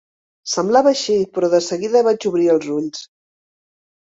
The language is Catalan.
Semblava així, però de seguida vaig obrir els ulls.